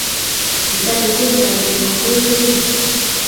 Kichope cheptailel koret tugul